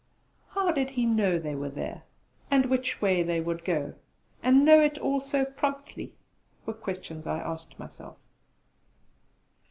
How did he know they were there, and which way they would go, and know it all so promptly? were questions I asked myself.